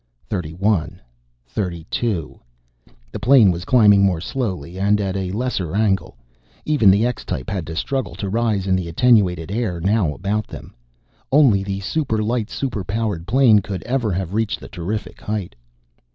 " 31 32 " The plane was climbing more slowly, and at a lesser angle. Even the X type had to struggle to rise in the attenuated air now about them. Only the super light, super powered plane could ever have reached the terrific height.